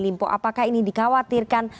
limpo apakah ini dikhawatirkan